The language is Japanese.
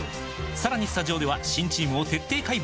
さらにスタジオでは新チームを徹底解剖！